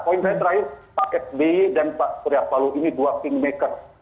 poin saya terakhir pak suryapalo dan pak suryapalo ini dua kingmaker